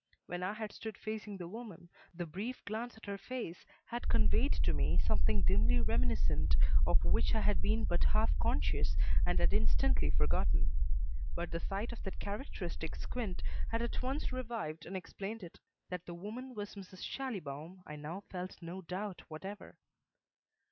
When I had stood facing the woman, the brief glance at her face had conveyed to me something dimly reminiscent of which I had been but half conscious and had instantly forgotten. But the sight of that characteristic squint had at once revived and explained it. That the woman was Mrs. Schallibaum I now felt no doubt whatever.